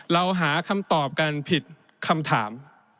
เราหาคำตอบกันผิดคำถาม